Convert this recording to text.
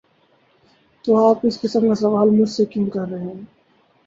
‘‘''تو آپ اس قسم کا سوال مجھ سے کیوں کر رہے ہیں؟